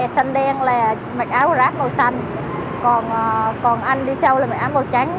xanh đen là mặc áo ráp màu xanh còn anh đi sau là mặc áo màu trắng